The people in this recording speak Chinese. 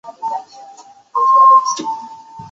昭和五年改建为水泥桥梁。